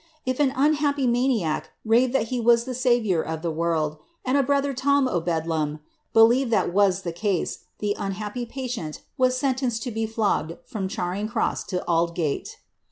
If an unhappy maniac raved that he was the Saviour of the world, and a brother Tom o' Bedlam believed that was the case, the unhappy patient was sentenced to be flogged from Charing Cross to Aldgate.'